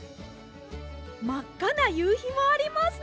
まっかなゆうひもありますね！